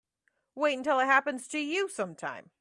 Wait until it happens to you sometime.